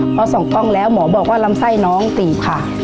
พอส่องกล้องแล้วหมอบอกว่าลำไส้น้องตีบค่ะ